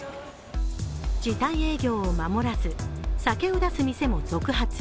時短営業を守らず酒を出す店も続発。